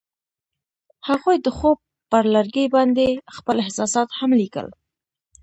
هغوی د خوب پر لرګي باندې خپل احساسات هم لیکل.